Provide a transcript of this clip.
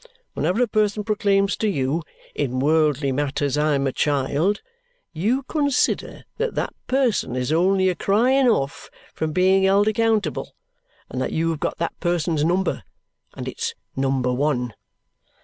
Whenever a person proclaims to you 'In worldly matters I'm a child,' you consider that that person is only a crying off from being held accountable and that you have got that person's number, and it's Number One.